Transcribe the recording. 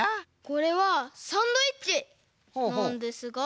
これはサンドイッチなんですが。